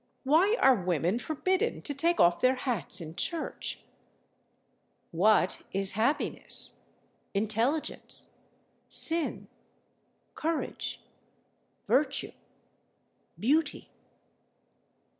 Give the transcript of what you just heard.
Why are women forbidden to take off their hats in church? What is happiness? Intelligence? Sin? Courage? Virtue? Beauty?